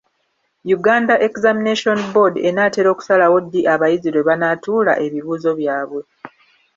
Uganda Examination Board enaatera okusalawo ddi abayizi lwe banaatuula ebibuuzo byabwe.